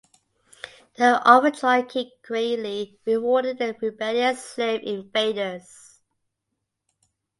The overjoyed king greatly rewarded the rebellious slave invaders.